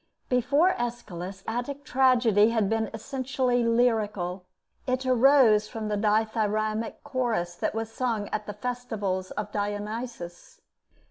Before Aeschylus, Attic tragedy had been essentially lyrical. It arose from the dithyrambic chorus that was sung at the festivals of Dionysus.